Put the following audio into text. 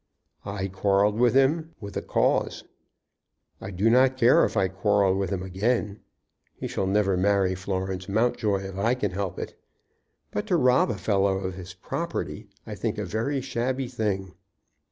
"I quarrelled with him with a cause. I do not care if I quarrel with him again. He shall never marry Florence Mountjoy if I can help it. But to rob a fellow of his property I think a very shabby thing."